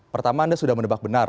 pertama anda sudah menebak benar